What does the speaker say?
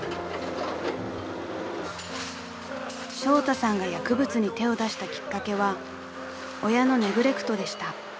［ショウタさんが薬物に手を出したきっかけは親のネグレクトでした］